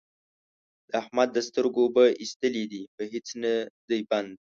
د احمد د سترګو اوبه اېستلې دي؛ په هيڅ نه دی بند،